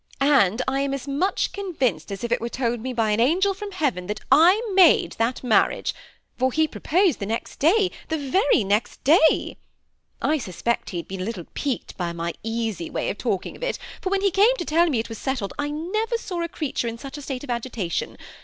And I am as much convinced as if 100 THE SEMI ATTACHED COUPLE. it were told me by an angel from heaven that I made that marriage, for he proposed the next day, the very next day. I suspect he had been a little piqued by my easy way of talking of it, for when he came to teU me it was settled, I never saw a creature in such a state of agitation.